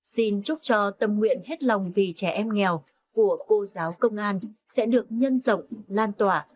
xin chúc cho tâm nguyện hết lòng vì trẻ em nghèo của cô giáo công an sẽ được nhân rộng lan tỏa